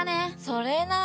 それな。